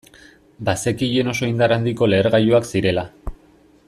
Bazekien oso indar handiko lehergailuak zirela.